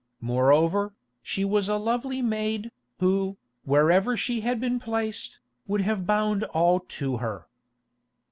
Moreover, she was a lovely maid, who, wherever she had been placed, would have bound all to her.